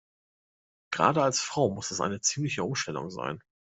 Gerade als Frau muss das eine ziemliche Umstellung sein.